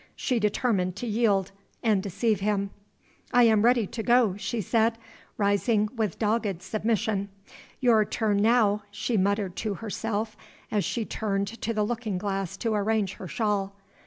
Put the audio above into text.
She determined to yield and deceive him. "I am ready to go," she said, rising with dogged submission. "Your turn now," she muttered to herself, as she turned to the looking glass to arrange her shawl.